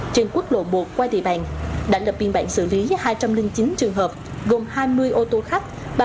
trên quốc lộ một qua địa bàn đã lập biên bản xử lý hai trăm linh chín trường hợp gồm hai mươi ô tô khách